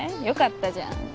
よかったじゃん